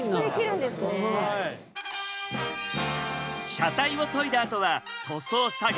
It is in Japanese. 車体を研いだあとは塗装作業。